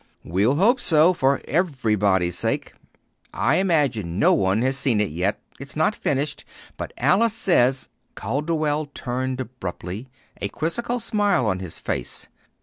"We'll hope so for everybody's sake. I imagine no one has seen it yet it's not finished; but Alice says " Calderwell turned abruptly, a quizzical smile on his face.